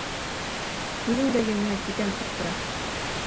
Күҙен дә йоммай, китәм тип тора!